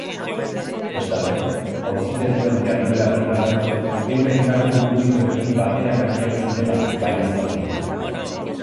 Bestalde, auzipetuen jarduera pribatuak euren kargu publikoekin bateragarriak zirela baieztatu du.